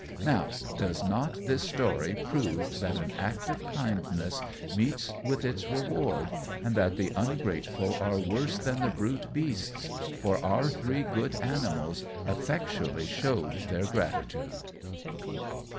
Now, does not this story prove that an act of kindness meets with its reward, and that the ungrateful are worse than the brute beasts, for our three good animals effectually showed their gratitude?